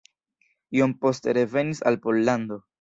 Iom poste revenis al Pollando.